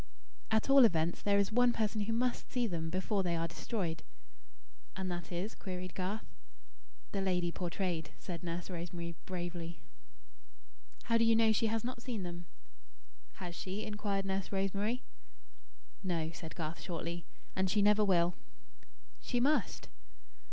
"At all events, there is one person who must see them, before they are destroyed." "And that is?" queried Garth. "The lady portrayed," said Nurse Rosemary, bravely. "How do you know she has not seen them?" "Has she?" inquired Nurse Rosemary. "No," said Garth, shortly; "and she never will." "She must."